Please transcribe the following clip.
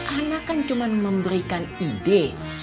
anak kan cuma memberikan ide